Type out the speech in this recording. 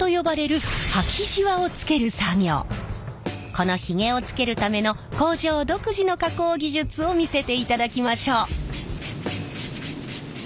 このヒゲをつけるための工場独自の加工技術を見せていただきましょう！